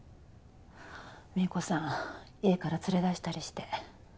美恵子さん家から連れ出したりして。